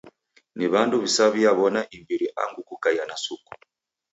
Ni w'andu w'isaw'iaw'ona imbiri angu kukaia na suku.